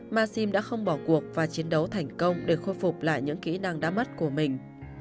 ma sim đã không bỏ cuộc và chiến đấu thành công để khôi phục lại những kỹ năng đã mất của mình